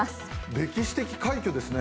歴史的快挙ですよね。